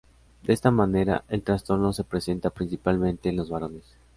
De esta manera, el trastorno se presenta principalmente en los varones.